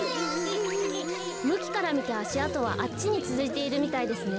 むきからみてあしあとはあっちにつづいているみたいですね。